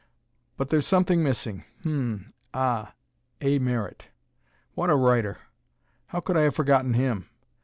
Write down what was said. But there's something missing. Hm m ah, A. Merritt! What a writer! How could I have forgotten him?